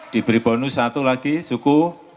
diberi bonus satu lagi suku